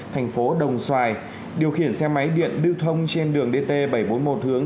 thành phố đồng xoài điều khiển xe máy điện lưu thông trên đường dt bảy trăm bốn mươi một hướng